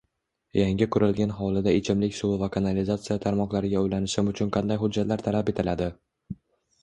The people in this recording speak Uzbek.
Yangi qurilgan hovlida ichimlik suvi va kanalizatsiya tarmoqlariga ulanishim uchun qanday hujjatlar talab etiladi?